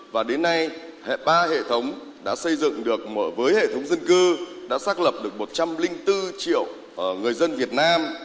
và đến nay ba hệ thống đã xây dựng được với hệ thống dân cư đã xác lập được một trăm linh bốn triệu người dân việt nam